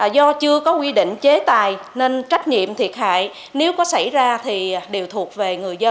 do chưa có quy định chế tài nên trách nhiệm thiệt hại nếu có xảy ra thì đều thuộc về người